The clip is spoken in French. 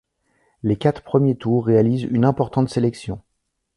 Les quatre premiers tours réalisent une importante sélection.